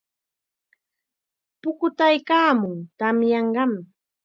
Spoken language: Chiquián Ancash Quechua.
Pukutaykaamun, tamyanqam.